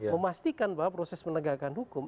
memastikan bahwa proses penegakan hukum